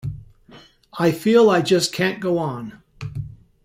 I feel I just can't go on.